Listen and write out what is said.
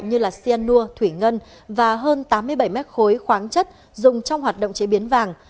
như cyanur thủy ngân và hơn tám mươi bảy mét khối khoáng chất dùng trong hoạt động chế biến vàng